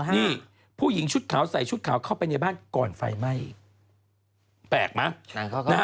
นี่ผู้หญิงชุดขาวใส่ชุดขาวเข้าไปในบ้านก่อนไฟไหม้แปลกไหม